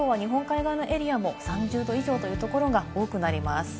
日本海側のエリアも３０度以上というところが多くなります。